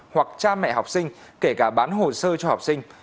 hoặc cha mẹ học sinh kể cả bán hồ sơ cho học sinh